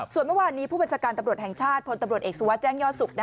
ส่วนเมื่อวานนี้ผู้บัญชาการตำรวจแห่งชาติพลตำรวจเอกสุวัสดิแจ้งยอดสุข